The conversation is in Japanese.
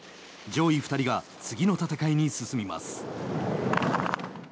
上位２人が次の戦いに進みます。